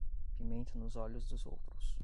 Pimenta nos olhos dos outros